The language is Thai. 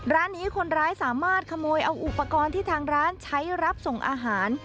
ร้านนี้คนร้ายสามารถขโมยเอาอุปกรณ์ที่ทางร้านใช้รับส่งอาหาร